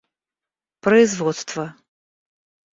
производства